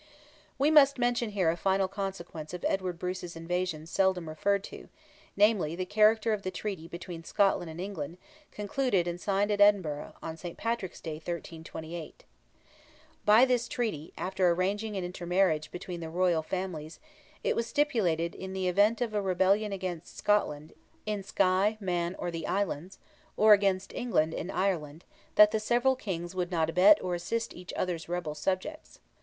We must mention here a final consequence of Edward Bruce's invasion seldom referred to,—namely, the character of the treaty between Scotland and England, concluded and signed at Edinburgh, on St. Patrick's Day, 1328. By this treaty, after arranging an intermarriage between the royal families, it was stipulated in the event of a rebellion against Scotland, in Skye, Man, or the Islands, or against England, in Ireland, that the several Kings would not abet or assist each other's rebel subjects.